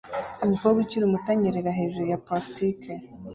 umukobwa ukiri muto anyerera hejuru ya plastike